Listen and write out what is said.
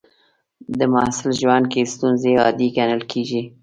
د محصل ژوند کې ستونزې عادي ګڼل کېږي.